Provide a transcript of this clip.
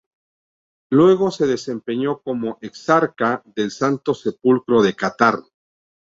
Luego se desempeñó como exarca del Santo Sepulcro en Qatar.